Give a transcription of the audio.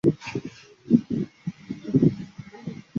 环形真绥螨为植绥螨科真绥螨属下的一个种。